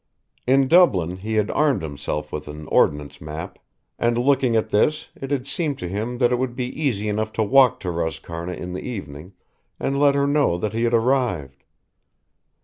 In Dublin he had armed himself with an Ordnance map, and looking at this, it had seemed to him that it would be easy enough to walk to Roscarna in the evening and let her know that he had arrived.